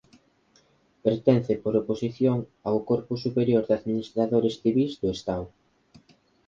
Pertence por oposición ao Corpo Superior de Administradores Civís do Estado.